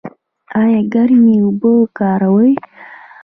ایا ګرمې اوبه کاروئ؟